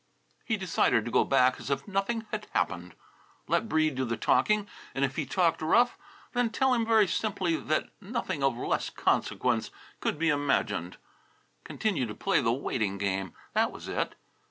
He decided to go back as if nothing had happened. Let Breede do the talking, and if he talked rough, then tell him very simply that nothing of less consequence could be imagined. Continue to play the waiting game. That was it!